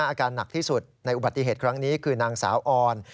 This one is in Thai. อาการหนักที่สุดในอุบัติเหตุครั้งนี้คือนางสาวออน